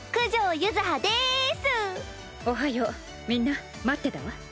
みんな待ってたわ。